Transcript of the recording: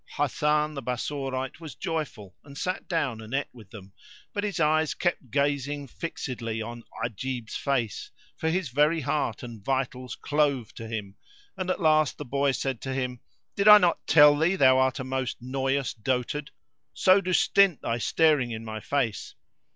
Hasan the Bassorite was joyful and sat down and ate with them; but his eyes kept gazing fixedly on Ajib's face, for his very heart and vitals clove to him; and at last the boy said to him, "Did I not tell thee thou art a most noyous dotard?; so do stint thy staring in my face!"